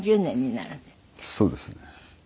そうですね。